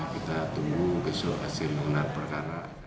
kita tunggu besok hasil gelar perkara